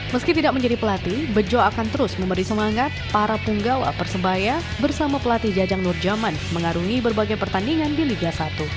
meski tidak menjadi pelatih bejo akan terus memberi semangat para punggawa persebaya bersama pelatih jajang nurjaman mengarungi berbagai pertandingan di liga satu